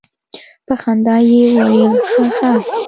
په خندا يې وويل خه خه.